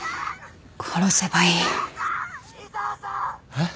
えっ？